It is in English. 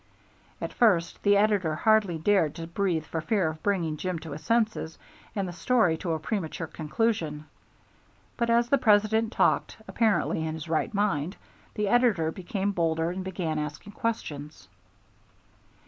At first the editor hardly dared to breathe for fear of bringing Jim to his senses and the story to a premature conclusion; but as the President talked apparently in his right mind, the editor became bolder and began asking questions.